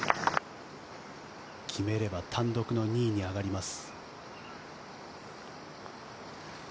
決めれば単独の２位に上がります。